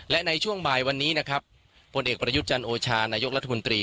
และในช่วงบ่ายวันนี้นะครับผลเอกประยุทธ์จันโอชานายกรัฐมนตรี